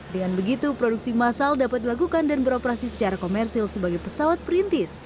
dengan begitu produksi masal dapat dilakukan dan beroperasi secara komersil sebagai pesawat perintis